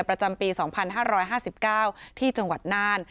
ประจำปีสองพันห้าร้อยห้าสิบเก้าที่จังหวัดน่าน